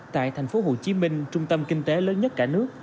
tại thành phố hồ chí minh trung tâm kinh tế lớn nhất cả nước